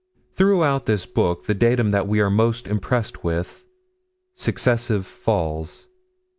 Throughout this book, the datum that we are most impressed with: Successive falls.